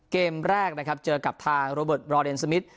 เกมแรกนะครับเจอกับทางโรเบิร์ตบรอเดนสมิท